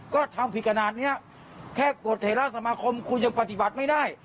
ก็ทำผิดขนาดนี้แค่กฎเถระสมาคมคุณยังปฏิบัติไม่ได้